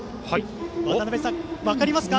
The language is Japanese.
渡辺さん、分かりますか？